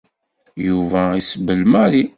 Yuba isebbel Mary.